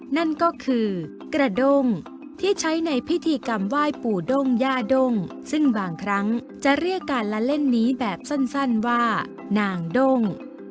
นั่นก็คือกระด้งที่ใช้ในพิธีกรรมไหว้ปู่ด้งย่าด้งซึ่งบางครั้งจะเรียกการละเล่นนี้แบบสั้นว่านางด้ง